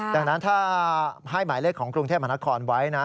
ดังนั้นถ้าให้หมายเลขของกรุงเทพมหานครไว้นะ